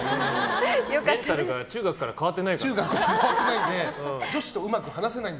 メンタルが中学から変わってないからね。